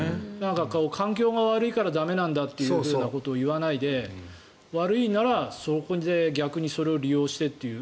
環境が悪いから駄目なんだということを言わないで悪いなら、そこで逆にそれを利用してという。